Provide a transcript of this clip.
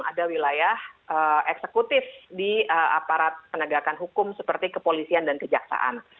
ada wilayah eksekutif di aparat penegakan hukum seperti kepolisian dan kejaksaan